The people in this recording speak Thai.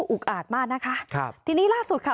อุกอาจมากนะคะครับทีนี้ล่าสุดค่ะ